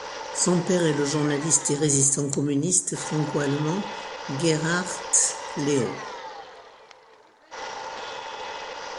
Son père est le journaliste et résistant communiste franco-allemand Gerhard Leo.